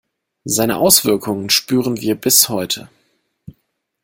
Seine Auswirkungen spüren wir bis heute.